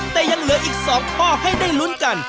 แต่ยังเหลืออีก๒ข้อให้ได้ลุ้นกัน